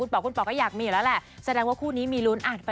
บอกว่าอยากมีแล้วแหละแสดงว่าคู่นี้มีรุนอัด